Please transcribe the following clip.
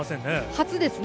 初ですね。